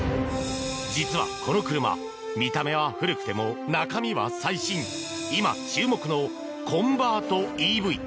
実はこの車見た目は古くても中身は最新今注目のコンバートＥＶ。